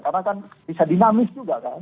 karena kan bisa dinamis juga kan